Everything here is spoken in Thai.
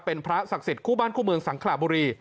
เป็นพระศักดิ์สิทธิ์คู่บ้านคู่เมืองสังขลาบุรี